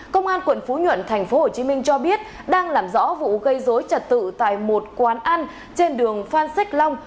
công an quận phú nhuận tp hcm cho biết đang làm rõ vụ gây dối trật tự tại một quán ăn trên đường phan xích long